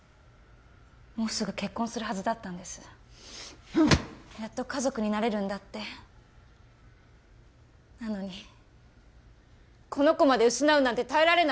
もうすぐ結婚するはずだったんですやっと家族になれるんだってなのにこの子まで失うなんて耐えられない！